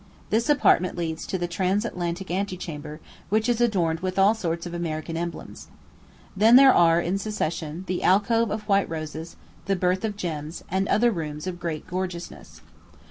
This apartment leads to "the Transatlantic Ante Chamber," which is adorned with all sorts of American emblems. Then there are, in succession, "the Alcove of White Roses," "the Birth of Gems," and other rooms of great gorgeousness.